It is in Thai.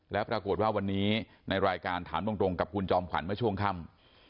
แล้วปรากฏว่าวันนี้ในรายการถามตรงกับคุณจอมขวัญเมื่อช่วงค่ำ